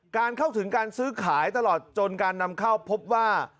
เข้าถึงการซื้อขายตลอดจนการนำเข้าพบว่า